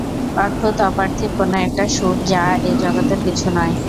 অদ্ভুত অপার্থিব কোনো-একটা সুর-যা এ জগতের কিছু নয়।